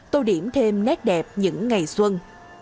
tô điểm thêm nét đẹp những ngày xuân